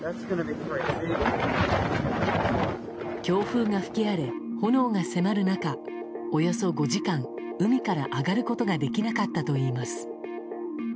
強風が吹き荒れ、炎が迫る中およそ５時間海から上がることができなかったといいます。